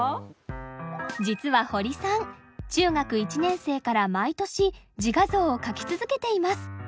実は堀さん中学１年生から毎年自画像を描き続けています。